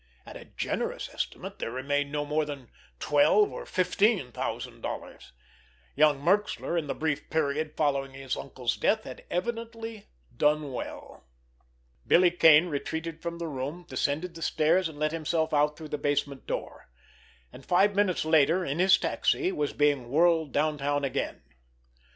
At a generous estimate there remained no more than twelve or fifteen thousand dollars. Young Merxler, in the brief period following his uncle's death, had evidently done well! Billy Kane retreated from the room, descended the stairs, and let himself out through the basement door—and five minutes later, in his taxi, was being whirled downtown again.